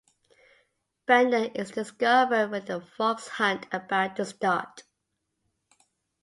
Bender is discovered with the fox hunt about to start.